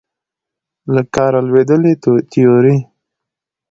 له کاره لوېدلې تیورۍ